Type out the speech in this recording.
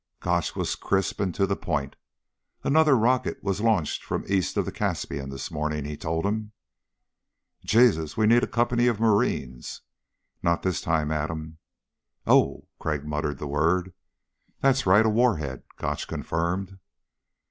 Gotch was crisp and to the point. "Another rocket was launched from east of the Caspian this morning," he told him. "Jesus, we need a company of Marines." "Not this time, Adam." "Oh ..." Crag muttered the word. "That's right ... a warhead," Gotch confirmed.